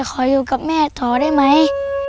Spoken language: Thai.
ขออยู่กับแม่ต่อได้ไหม